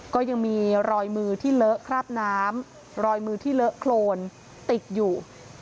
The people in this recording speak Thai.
ก็ยังมีรอยมือที่เลอะคราบน้ำรอยมือที่เลอะโครนติดอยู่